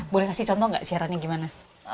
boleh kasih contoh nggak siarannya gimana